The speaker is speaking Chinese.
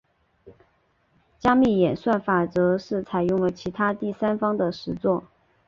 加密演算法则是采用了其他第三方的实作。